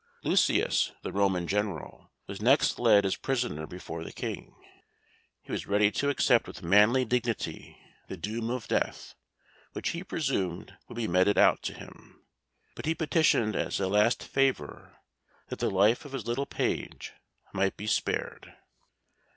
Lucius, the Roman General, was next led as prisoner before the King. He was ready to accept with manly dignity the doom of death which he presumed would be meted out to him, but he petitioned as a last favour that the life of his little page might be spared.